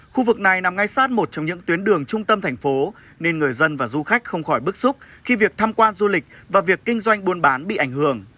khu vực này nằm ngay sát một trong những tuyến đường trung tâm thành phố nên người dân và du khách không khỏi bức xúc khi việc tham quan du lịch và việc kinh doanh buôn bán bị ảnh hưởng